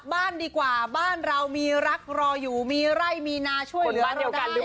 บ้านดีกว่าบ้านเรามีรักรออยู่มีไร่มีนาช่วยเหลือเดียวกัน